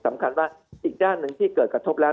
สำคัญว่าอีกด้านหนึ่งที่เกิดกระทบแล้ว